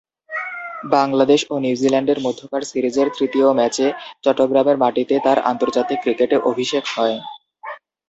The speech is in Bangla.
বাংলাদেশ ও নিউজিল্যান্ডের মধ্যকার সিরিজের তৃতীয় ম্যাচে চট্টগ্রামের মাটিতে তার আন্তর্জাতিক ক্রিকেটে অভিষেক হয়।